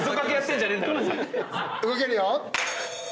動けるよ。